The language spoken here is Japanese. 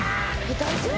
大丈夫？